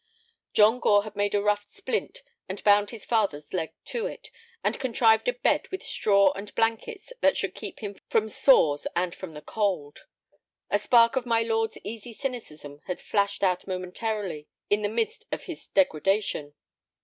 John Gore had made a rough splint and bound his father's leg to it, and contrived a bed with straw and blankets that should keep him from sores and from the cold. A spark of my lord's easy cynicism had flashed out momentarily in the midst of his degradation.